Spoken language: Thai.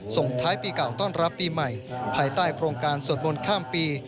ส่งท้ายปีเก่าต้อนรับปีใหม่ภายใต้โครงการสวดมนต์ข้ามปี